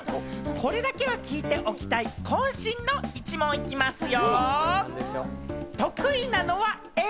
これだけは聞いておきたい、渾身の１問、行きますよ！